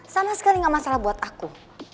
sama sekali gak masalah buat aku